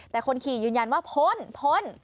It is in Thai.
แต่คนขี่ยืนยันว่าพ้นพ้น